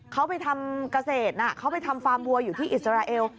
เขาไปทำเกษตรเขาไปทำฟาร์มวัวอยู่ที่อิสราเอล